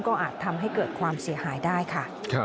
ก็อาจทำให้เกิดความเสียหายได้ค่ะ